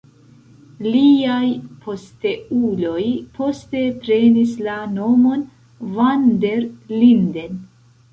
Liaj posteuloj poste prenis la nomon van der Linden.